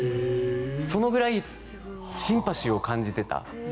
そのぐらいプレー中にシンパシーを感じていた。